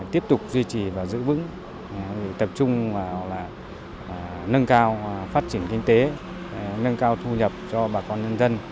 tiếp tục duy trì và giữ vững tập trung vào là nâng cao phát triển kinh tế nâng cao thu nhập cho bà con nhân dân